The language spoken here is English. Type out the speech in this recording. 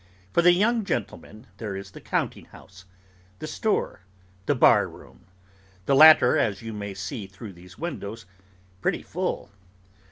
For the young gentlemen, there is the counting house, the store, the bar room: the latter, as you may see through these windows, pretty full.